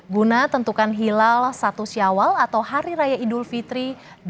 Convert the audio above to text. guna tentukan hilal satu syawal atau hari raya idul fitri dua ribu dua puluh